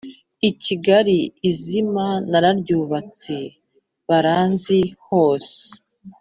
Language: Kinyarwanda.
kigali izima nararyubatse baranzi hose